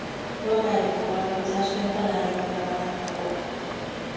Polgári foglalkozásként tanári oklevelet kapott.